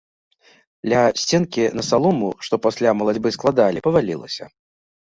Ля сценкі на салому, што пасля малацьбы складалі, павалілася.